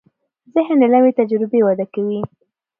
ذهن له نوې تجربې وده کوي.